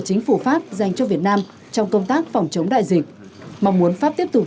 chính phủ pháp dành cho việt nam trong công tác phòng chống đại dịch mong muốn pháp tiếp tục